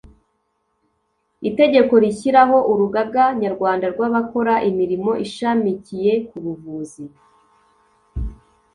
itegeko rishyiraho urugaga nyarwanda rw abakora imirimo ishamikiye ku buvuzi